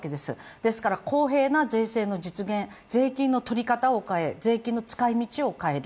ですから、公平な税制の実現、税金の取り方を変え税金の使い道をを変える。